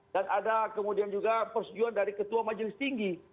dan ada kemudian juga persetujuan dari ketua majelis tinggi